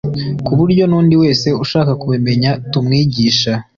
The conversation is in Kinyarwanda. ku buryo n’undi wese ushaka kubimenya tumwigisha